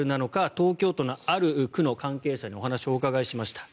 東京都のある区の関係者にお話をお伺いしました。